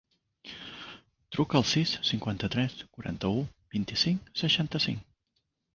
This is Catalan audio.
Truca al sis, cinquanta-tres, quaranta-u, vint-i-cinc, seixanta-cinc.